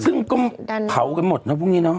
ซึ่งก็เผากันหมดเนาะพวกนี้เนาะ